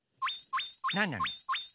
なんなの？